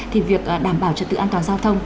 thì việc đảm bảo trật tự an toàn giao thông